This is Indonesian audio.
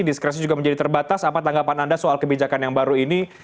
diskresi juga menjadi terbatas apa tanggapan anda soal kebijakan yang baru ini